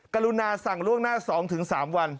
กรุณาสั่งล่วงหน้า๒๓วัน